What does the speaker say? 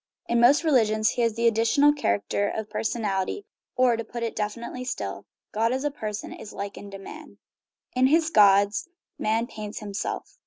In most religions he has the additional character of personality, or, to put it more definitely still, God as a person is likened to man. "In his gods man paints himself."